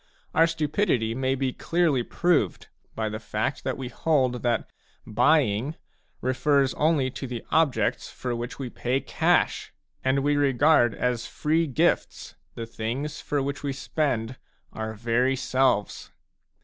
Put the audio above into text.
Our stupidity may be clearly proved by the fact that we hold that "buying" refers only to the objects for which we pay cash; and we regard as free gifts the things for which we spend our very selves.